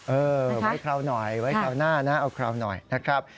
เออไว้คราวหน่อยไว้คราวหน้านะเอาคราวหน่อยนะครับ